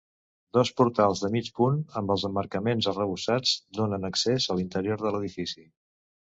Dos portals de mig punt amb els emmarcaments arrebossats donen accés a l'interior de l'edifici.